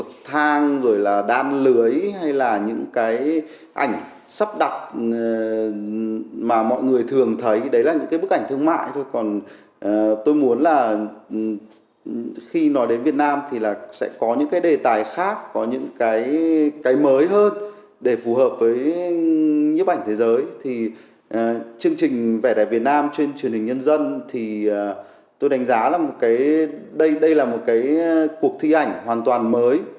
chương trình vẻ đẹp việt nam trên truyền hình nhân dân thì tôi đánh giá là một cái đây là một cái cuộc thi ảnh hoàn toàn mới